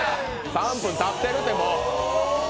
３分たってるて、もう。